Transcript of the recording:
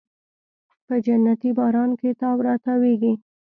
په جنتي باران کې تاو راتاویږې